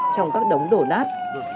trong các đống đổ nát